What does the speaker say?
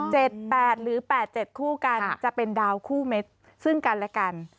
๗๘หรือ๘๗คู่กันจะเป็นดาวคู่เม็ดซึ่งกันและกัน